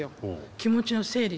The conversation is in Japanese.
気持ちの整理って。